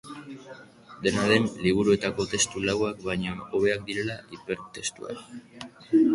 Dena den, liburuetako testu lauak baino hobeak direla hipertestuak.